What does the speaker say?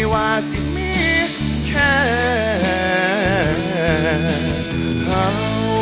ขอบคุณมาก